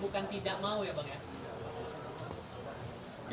bukan tidak mau ya bang ya